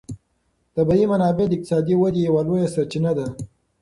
طبیعي منابع د اقتصادي ودې یوه لویه سرچینه ده.